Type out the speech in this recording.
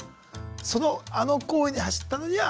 そのあの行為に走ったのには。